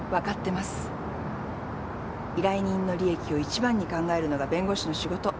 依頼人の利益をいちばんに考えるのが弁護士の仕事。